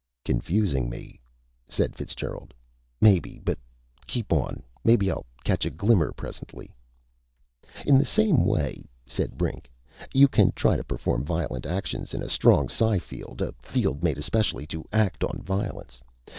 "Confusing me," said Fitzgerald, "maybe. But keep on. Maybe I'll catch a glimmer presently." "In the same way," said Brink, "you can try to perform violent actions in a strong psi field a field made especially to act on violence.